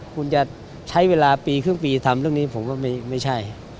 คุณจะใช้เวลาปีครึ่งปีทำเรื่องนี้ผมว่าไม่ใช่